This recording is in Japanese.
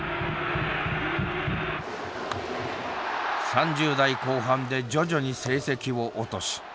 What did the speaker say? ３０代後半で徐々に成績を落とし自由契約に。